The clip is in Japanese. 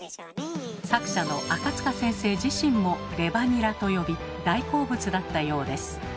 作者の赤塚先生自身も「レバニラ」と呼び大好物だったようです。